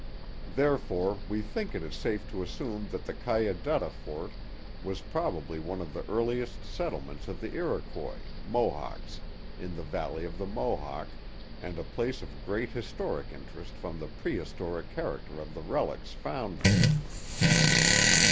Therefore we think it is safe to assume that the Cayudutta fort was probably one of the earliest settlements of the Iroquois (Mohawks) in the valley of the Mohawk and a place of great historic interest from the prehistoric character of the relics found there.